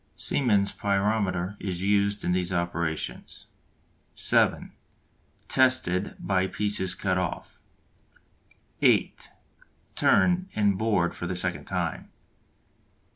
Siemens' pyrometer is used in these operations. (7) Tested by pieces cut off. (8) Turned and bored for the second time.